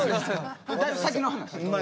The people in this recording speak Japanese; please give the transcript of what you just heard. だいぶ先の話。